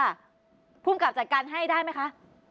ค่ะผู้มกลับจัดการให้ได้ไหมคะ